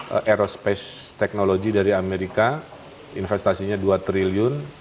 aerospace technology dari amerika investasinya dua triliun